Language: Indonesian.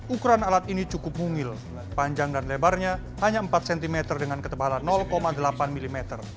ukuran alat ini cukup mungil panjang dan lebarnya hanya empat cm dengan ketebalan delapan mm